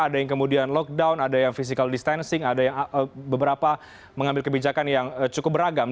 ada yang kemudian lockdown ada yang physical distancing ada yang beberapa mengambil kebijakan yang cukup beragam